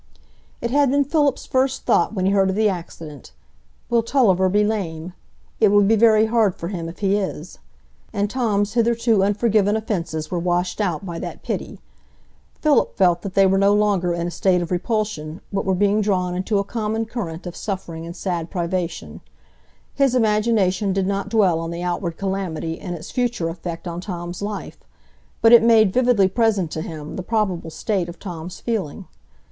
It had been Philip's first thought when he heard of the accident,—"Will Tulliver be lame? It will be very hard for him if he is"; and Tom's hitherto unforgiven offences were washed out by that pity. Philip felt that they were no longer in a state of repulsion, but were being drawn into a common current of suffering and sad privation. His imagination did not dwell on the outward calamity and its future effect on Tom's life, but it made vividly present to him the probable state of Tom's feeling.